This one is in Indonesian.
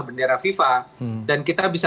bendera fifa dan kita bisa